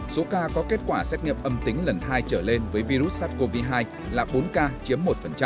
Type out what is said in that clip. số ca có kết quả xét nghiệm âm tính lần hai trở lên với virus sars cov hai là bốn ca chiếm một